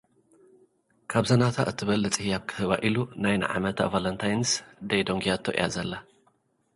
ካብ’ዛ ናታ እትበልጽ ህያብ ክህባ ኢሉ ናይ ዓመታ ቨለንታይንስ ደይ ደንጕያቶ እያ ዘላ።